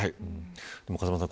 風間さん